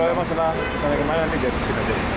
kalau misalnya pertandingan kemarin nanti diaduk sini aja